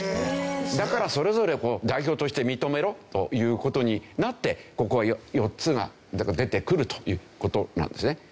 だからそれぞれを代表として認めろという事になってここは４つが出てくるという事なんですね。